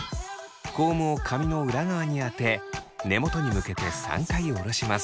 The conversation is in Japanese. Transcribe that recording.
コームを髪の裏側に当て根元に向けて３回おろします。